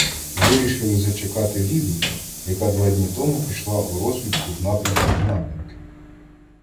Вирішили зачекати Ліду, яка два дні тому пішла у розвідку в напрямку Знам'янки.